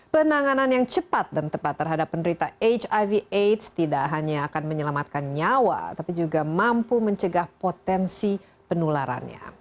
penanganan yang cepat dan tepat terhadap penderita hiv aids tidak hanya akan menyelamatkan nyawa tapi juga mampu mencegah potensi penularannya